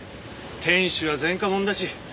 店主は前科者だし